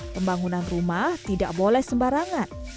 pembangunan rumah tidak boleh sembarangan